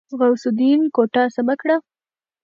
غوث الدين کوټه سمه کړه.